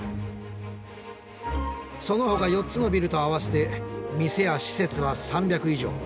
そのほか４つのビルと合わせて店や施設は３００以上。